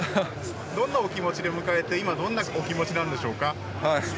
どんなお気持ちで迎えて今、どんなお気持ちですか。